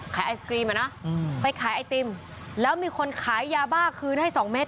ไอศกรีมอ่ะเนอะไปขายไอติมแล้วมีคนขายยาบ้าคืนให้สองเม็ด